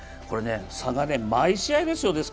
差が毎試合ですよ。